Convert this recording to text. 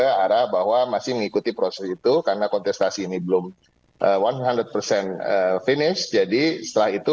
marah bahwa masih mengikuti proses itu karena kontestasi ini belum seratus finish jadi setelah itu